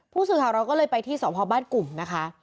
ผู้สื่อข่าวเราก็เลยไปที่สพบ้านกลุ่มนะคะ